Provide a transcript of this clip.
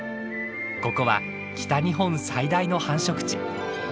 ここは北日本最大の繁殖地。